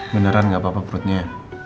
beneran gak apa apa perutnya